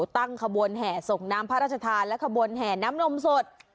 ตั้งขบวนแห่ส่งน้ำพระราชทานและขบวนแห่น้ำนมสด